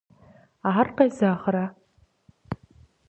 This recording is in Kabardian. Ар къезэгърэ?